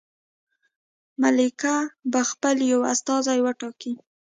ملکه به خپل یو استازی وټاکي.